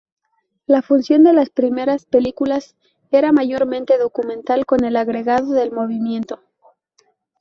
La función de las primeras "películas" era mayormente documental, con el agregado del movimiento.